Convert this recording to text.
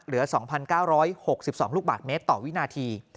เหลือ๒๙๖๒ลูกบาทเมตรต่อวินาที